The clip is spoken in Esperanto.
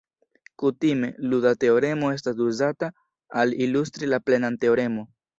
Kutime, luda teoremo estas uzata al ilustri la plenan teoremo.